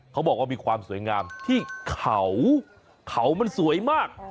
เขาบอกว่ามีความสวยงามที่เขามันสวยมาก